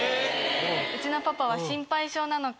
うちのパパは心配性なのか。